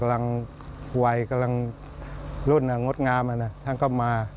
ก็วัยรุ่นเงิดง้ำท่านก็มา